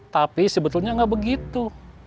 tapi sebetulnya nggak begitu